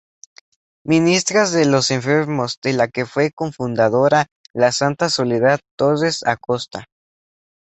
Ministras de los Enfermos, de la que fue cofundadora la santa Soledad Torres Acosta.